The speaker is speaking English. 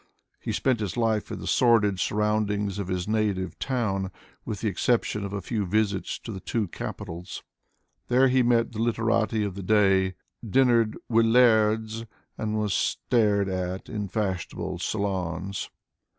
He spent his life in the sordid surroundings of his native town, with the exception of a few visits to the two capitals. There he met the literati of the day, dinnered wi' lairds, and was stared at in fashionable salons.